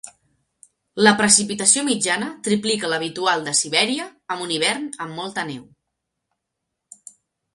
La precipitació mitjana triplica l'habitual de Sibèria, amb un hivern amb molta neu.